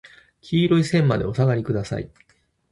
黄色い線までお下りください。